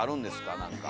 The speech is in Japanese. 何か。